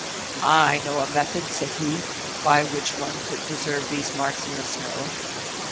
"I know a method," said he, "by which one could preserve these marks in the snow."